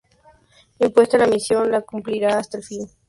Impuesta la misión, la cumplirá hasta el fin.